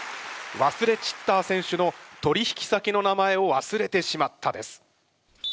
ワスレ・チッター選手の「取引先の名前を忘れてしまった」です。